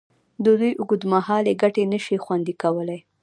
د دوی اوږدمهالې ګټې نشي خوندي کولې.